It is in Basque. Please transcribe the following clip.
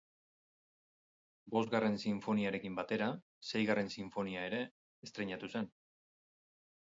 Bosgarren Sinfoniarekin batera Seigarren Sinfonia ere estreinatu zen.